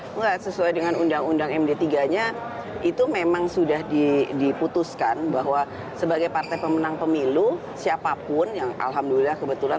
enggak sesuai dengan undang undang md tiga nya itu memang sudah diputuskan bahwa sebagai partai pemenang pemilu siapapun yang alhamdulillah kebetulan